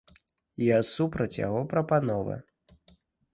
Я супраць яго прапановы.